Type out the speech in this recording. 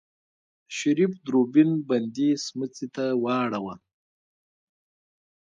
شريف دوربين بندې سمڅې ته واړوه.